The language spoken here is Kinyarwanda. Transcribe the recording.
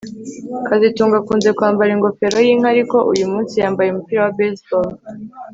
kazitunga akunze kwambara ingofero yinka ariko uyumunsi yambaye umupira wa baseball